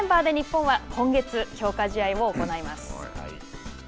このメンバーで日本は、今月、強化試合を行います。